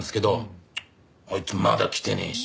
チッあいつまだ来てねえし。